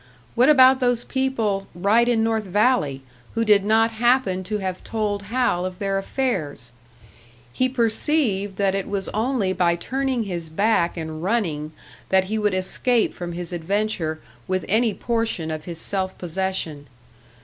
What about those people, right in North Valley, who did not happen to have told Hal of their affairs? He perceived that it was only by turning his back and running that he would escape from his adventure with any portion of his self possession.